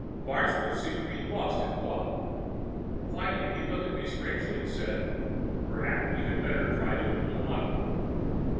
Farnsworth seemed to be lost in thought. Finally he looked at me strangely and said, "Perhaps we had better try to build a model."